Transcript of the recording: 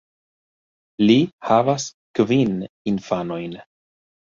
Li havas kvin infanojn.